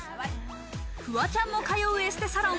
フワちゃんも通うエステサロン